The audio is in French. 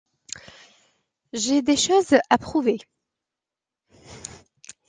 J'ai des choses à prouver.